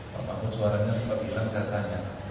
pak mahfud suaranya sempat hilang saya tanya